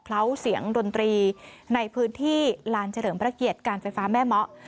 เล้าเสียงดนตรีในพื้นที่ลานเฉลิมพระเกียรติการไฟฟ้าแม่เมาะ